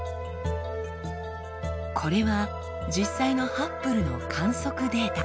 これは実際のハッブルの観測データ。